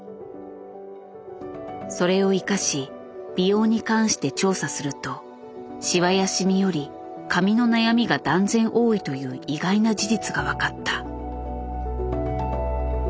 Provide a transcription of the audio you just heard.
それを生かし美容に関して調査するとしわやシミより髪の悩みが断然多いという意外な事実が分かった。